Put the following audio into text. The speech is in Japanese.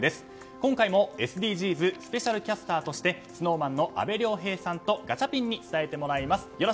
今回も、ＳＤＧｓスペシャルキャスターとしてＳｎｏｗＭａｎの阿部亮平さんとガチャピンに伝えてもらいます。